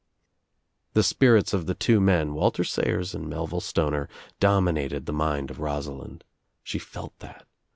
The spirits of the two men, Walter Sayers and Mel ville Stoner, dominated the mind of Rosalind. She felt that.